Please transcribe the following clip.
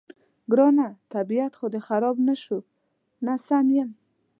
ګرانه، طبیعت خو دې خراب نه شو؟ نه، سم یم.